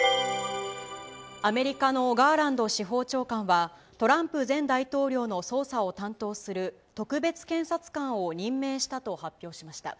アメリカのガーランド司法長官は、トランプ前大統領の捜査を担当する特別検察官を任命したと発表しました。